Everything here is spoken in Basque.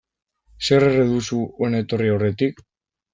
Zer erre duzu hona etorri aurretik.